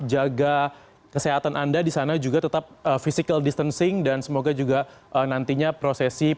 jaga kesehatan anda di sana juga tetap physical distancing dan semoga juga nantinya prosesi